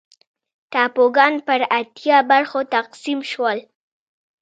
ټاپوګان پر اتیا برخو تقسیم شول.